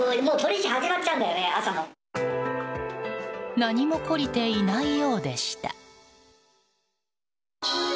何も懲りていないようでした。